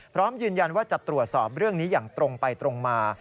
พร้อมยืนยันว่าจะตรวจสอบเรื่องนี้อย่างตรงไปตรงมา